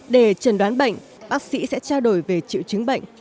để trần đoán bệnh bác sĩ sẽ trao đổi về triệu chứng bệnh